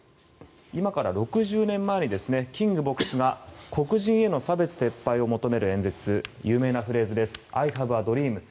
今から６０年前にキング牧師が黒人への差別撤廃を求める演説有名なフレーズ「ＩＨａｖｅａＤｒｅａｍ」。